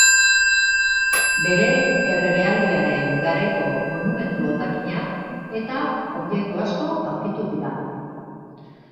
Bere erregealdiaren garaiko monumentu hondakinak eta objektu asko aurkitu dira.